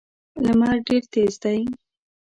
لمر ډېر تېز دی.